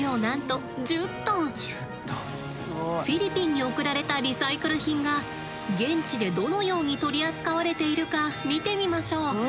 フィリピンに送られたリサイクル品が現地でどのように取り扱われているか見てみましょう。